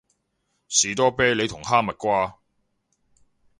士多啤梨同哈蜜瓜